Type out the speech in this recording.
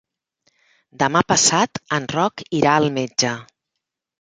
Demà passat en Roc irà al metge.